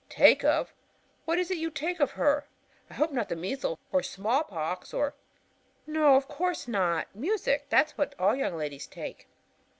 "Take of! What is it you take of her? I hope not measles or smallpox, or " "Why no, of course not. Music. That's what all young ladies take."